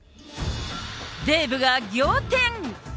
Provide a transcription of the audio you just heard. デーブが仰天！